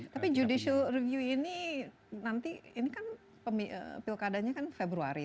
tapi judicial review ini nanti ini kan pilkadanya kan februari